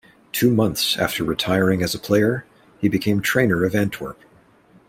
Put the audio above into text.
Two months after retiring as a player, he became trainer of Antwerp.